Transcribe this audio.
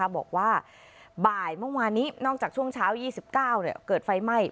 บอกว่าบ่ายเมื่อวานนี้นอกจากช่วงเช้า๒๙เกิดไฟไหม้